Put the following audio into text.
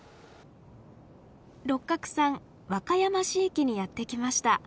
六角さん和歌山市駅にやって来ました。